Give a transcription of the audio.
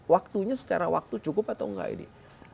waktunya secara waktu cukup atau enggak ini